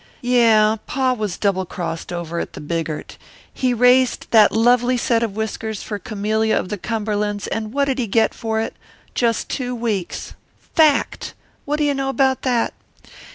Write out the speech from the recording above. "Yeah, Pa was double crossed over at the Bigart. He raised that lovely set of whiskers for Camillia of the Cumberlands and what did he get for it? just two weeks. Fact! What do you know about that?